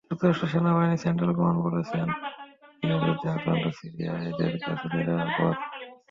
যুক্তরাষ্ট্র সেনাবাহিনীর central command বলছে, গৃহযুদ্ধে আক্রান্ত সিরিয়া এদের কাছে নিরাপদ আশ্রয়।